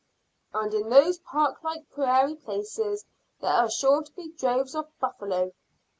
"And in those park like prairie places there are sure to be droves of buffalo.